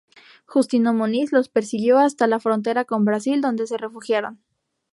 Justino Muniz los persiguió hasta la frontera con Brasil, donde se refugiaron.